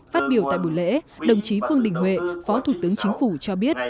phát biểu tại buổi lễ đồng chí vương đình huệ phó thủ tướng chính phủ cho biết